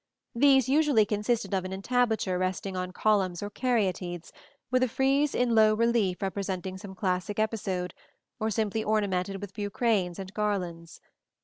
These usually consisted of an entablature resting on columns or caryatides, with a frieze in low relief representing some classic episode, or simply ornamented with bucranes and garlands.